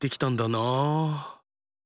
なあ？